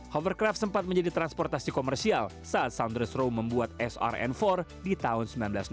hovercraft sempat menjadi transportasi komersial saat saunders row membuat srn empat di tahun seribu sembilan ratus enam puluh